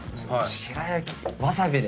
白焼わさびで。